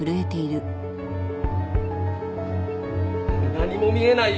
何も見えないよ。